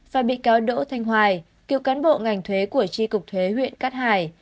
và bị cáo đỗ thanh hoài cựu cán bộ ngành thuế của tri cục thuế huyện cát hải